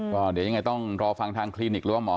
เดี๋ยวยังไงต้องรอฟังทางคลินิกรวมออก